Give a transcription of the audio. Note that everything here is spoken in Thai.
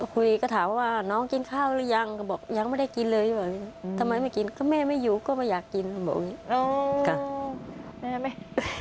คุยก็ถามว่าน้องกินข้าวหรือยังก็บอกยังไม่ได้กินเลยทำไมไม่กินก็แม่ไม่อยู่ก็ไม่อยากกินบอกอย่างนี้ได้ไหม